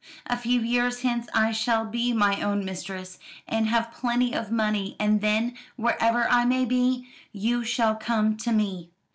A few years hence I shall be my own mistress, and have plenty of money, and then, wherever I may be, you shall come to me.